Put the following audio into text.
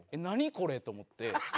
これと思って。